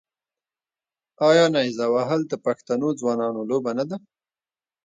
آیا نیزه وهل د پښتنو ځوانانو لوبه نه ده؟